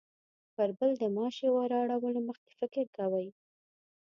پر بل د ماشې وراړولو مخکې فکر کوي.